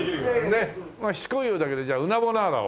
ねっしつこいようだけどじゃあうなボナーラを。